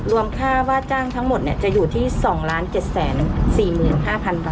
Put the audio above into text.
ค่าว่าจ้างทั้งหมดจะอยู่ที่๒๗๔๕๐๐๐บาท